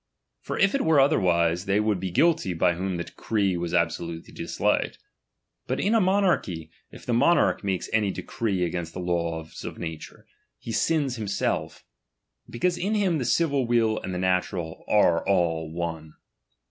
For if it were otherwise, they would be guilty by whom the decree was absolutely dis liked. But in a monarchy, if the monarch make any decree against the laws of nature, he sina himself; because in him the civil will and the na tural are all one.